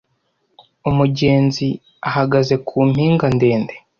umugenzi ahagaze ku mpinga ndende